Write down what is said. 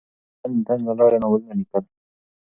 جین اسټن د طنز له لارې ناولونه لیکل.